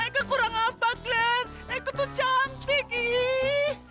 eke kurang apa glen eke tuh cantik iih